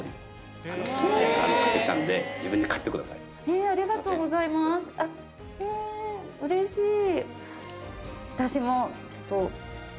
えうれしい！